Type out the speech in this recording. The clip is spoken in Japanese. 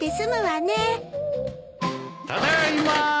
ただいまー！